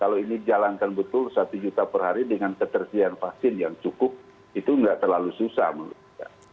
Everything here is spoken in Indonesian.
kalau ini dijalankan betul satu juta per hari dengan ketersediaan vaksin yang cukup itu nggak terlalu susah menurut saya